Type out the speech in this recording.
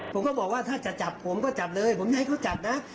ผมก็บอกว่าถ้าจะจับผมก็จับเลยผมจะให้เขาจับนะ